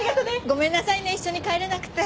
ごめんなさいね一緒に帰れなくて。